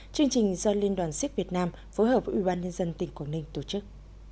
chương trình do liên đoàn siếc việt nam phối hợp với ubnd tỉnh quảng ninh tổ chức